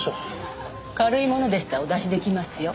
軽いものでしたらお出し出来ますよ。